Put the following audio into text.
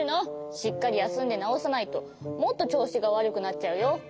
しっかりやすんでなおさないともっとちょうしがわるくなっちゃうよ。